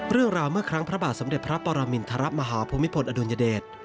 เรื่องราวเมื่อครั้งพระบาทสำเร็จพระปรามิณฑรัพธ์มหาภูมิพลอดุลยเดช